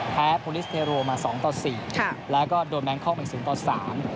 แท้พลิสเทโรมา๒๔แล้วก็โดนแม้งเข้าเป็น๐๓